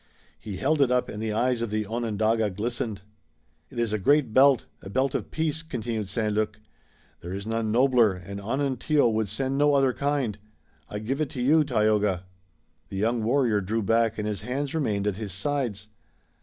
He held it up and the eyes of the Onondaga glistened. "It is a great belt, a belt of peace," continued St. Luc. "There is none nobler, and Onontio would send no other kind. I give it to you, Tayoga." The young warrior drew back and his hands remained at his sides.